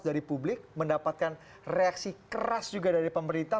dari publik mendapatkan reaksi keras juga dari pemerintah